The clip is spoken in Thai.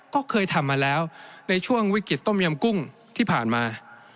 ก็เคยทำมาแล้วในช่วงวิกฤตต้มยำกุ้งที่ผ่านมา